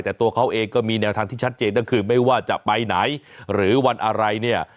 แต่ตัวเขาเองก็มีแนวทางที่ชัดเจนก็คือไม่ว่าจะไปไหนหรือวันอะไรเนี่ย